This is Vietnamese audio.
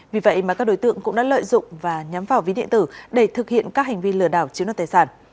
vì vậy mà các đối tượng cũng đã lợi dụng và nhắm vào ví điện tử để thực hiện các hành vi lừa đảo chiếm đoạt tài sản